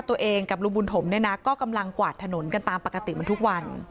ตัวเองกับลุงบุญถมเนี่ยนะก็กำลังกวาดถนนกันตามปกติมันทุกวัน